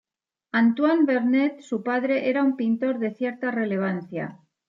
Antoine Vernet, su padre, era un pintor de cierta relevancia.